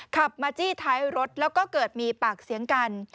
ขับมาจี้ท้ายรถแล้วก็เกิดมีปากเสียงกัน